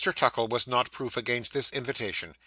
Tuckle was not proof against this invitation.